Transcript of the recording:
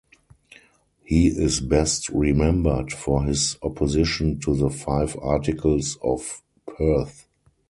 He is best remembered for his opposition to the Five Articles of Perth.